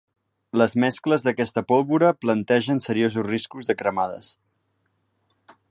Les mescles d'aquesta pólvora plantegen seriosos riscos de cremades.